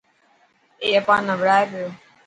اي اپا نا وڙائي پيو.